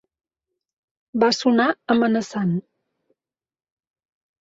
Va sonar amenaçant.